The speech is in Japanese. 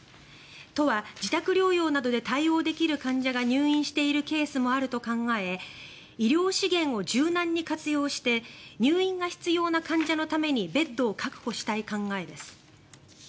都は自宅療養などで対応できる患者が入院しているケースもあると考え医療資源を柔軟に活用して入院が必要な患者のためにベッドを確保したい考えです。